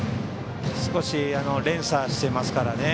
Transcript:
少し連鎖してますからね。